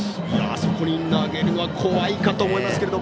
あそこに投げるのは怖いかと思いますけど。